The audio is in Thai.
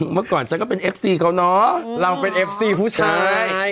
เมื่อก่อนฉันก็เป็นเอฟซีเขาเนาะเราเป็นเอฟซีผู้ชาย